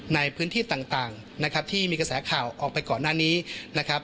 ในพื้นที่ต่างนะครับที่มีกระแสข่าวออกไปก่อนหน้านี้นะครับ